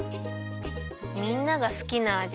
みんながすきなあじ。